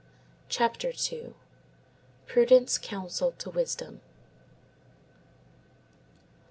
CHAPTER II—PRUDENCE COUNSELLED TO WISDOM.